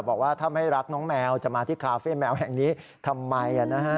บอกว่าถ้าไม่รักน้องแมวจะมาที่คาเฟ่แมวแห่งนี้ทำไม